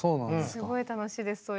すごい楽しいですそういう話。